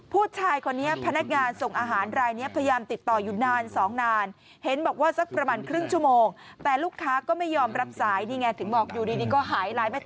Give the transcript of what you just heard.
ผู้ชายคนนี้พนักงานส่งอาหาร